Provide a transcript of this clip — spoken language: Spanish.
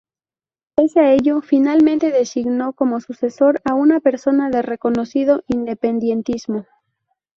Pese a ello, finalmente designó como sucesor a una persona de reconocido independentismo.